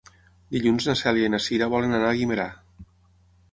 Dilluns na Cèlia i na Cira volen anar a Guimerà.